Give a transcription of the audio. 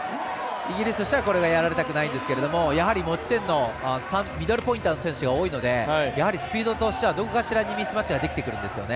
イギリスとしてはこれがやられたくないんですがやはり持ち点３．０ミドルポインターの選手が多いのでやはりスピードとしてはどこかしらにミスマッチができてくるんです。